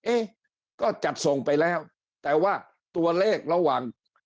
เอ๊ะก็จัดส่งไปแล้วแต่ว่าตัวเลขระหว่าง